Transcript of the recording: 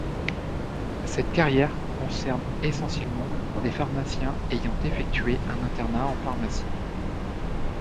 Cette carrière concerne essentiellement des pharmaciens ayant effectué un internat en pharmacie.